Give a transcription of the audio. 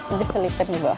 ini selipit di bawah